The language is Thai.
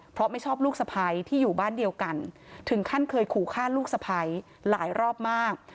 เพราะไม่ชอบลูกสะพ้ายที่อยู่บ้านเดียวกันถึงขั้นเคยขู่ฆ่าลูกสะพ้ายหลายรอบมาก